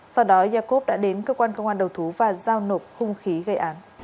sau đó yakov đã đến cơ quan công an đầu thú và giao nộp hung khí gây án